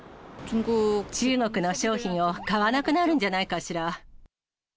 中国の商品を買わなくなるんじゃないかしら。